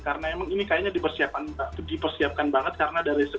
karena emang ini kayaknya dipersiapkan banget karena dari segi sound